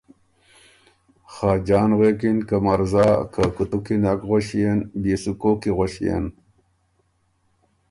خاجان غوېکِن که مرزا که کُوتُو کی نک غؤݭيېن بيې سو کوک کی غؤݭيېن،